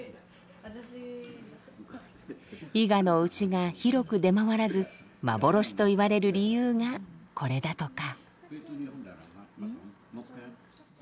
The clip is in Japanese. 伊賀の牛が広く出回らず幻と言われる理由がこれだとか。